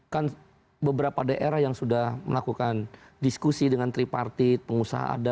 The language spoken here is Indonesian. kan beberapa daerah yang sudah melakukan diskusi dengan tripartit pengusaha